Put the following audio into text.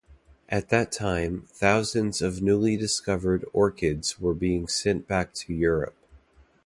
At that time, thousands of newly discovered orchids were being sent back to Europe.